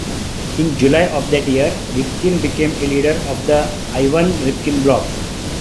In July of that year, Rybkin became a leader of the Ivan Rybkin Bloc.